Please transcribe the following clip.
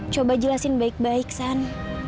coba jelasin baik baik sam